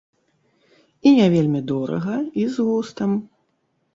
І не вельмі дорага, і з густам.